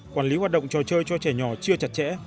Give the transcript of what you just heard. quản lý hoạt động trò chơi cho trẻ nhỏ chưa chặt chẽ